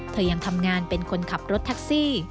ยังทำงานเป็นคนขับรถแท็กซี่